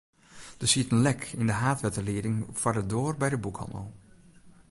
Der siet in lek yn de haadwetterlieding foar de doar by de boekhannel.